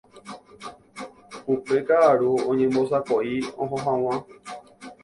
Upe ka'aru oñembosako'i oho hag̃ua